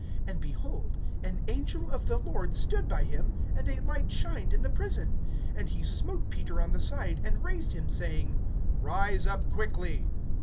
(7)And, behold, an angel of the Lord stood by him, and a light shined in the prison; and he smote Peter on the side, and raised him, saying: Rise up quickly.